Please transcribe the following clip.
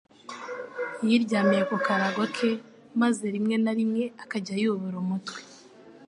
Yiryamiye ku karago ke, maze rimwe na rimwe akajya yubura umutwe,